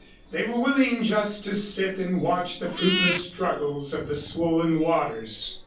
They were willing just to sit and watch the fruitless struggles of the swollen waters.